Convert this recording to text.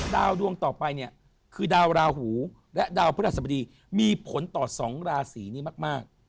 ดวงต่อไปเนี่ยคือดาวราหูและดาวพระราชบดีมีผลต่อ๒ราศีนี้มาก